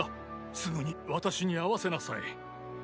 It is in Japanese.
すぐに私に会わせなさい。